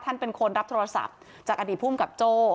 เป็นคนรับโทรศัพท์จากอดีตภูมิกับโจ้